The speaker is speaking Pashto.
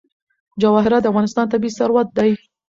جواهرات د افغانستان طبعي ثروت دی.